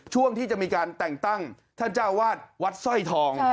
ช่วงที่จะมีการแต่งตั้งท่านเจ้าวาดวัดสร้อยทอง